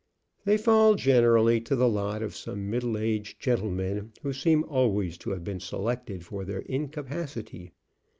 They fall generally to the lot of some middle aged gentlemen, who seem always to have been selected for their incapacity.